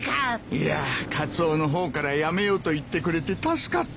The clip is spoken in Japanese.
いやあカツオの方からやめようと言ってくれて助かった。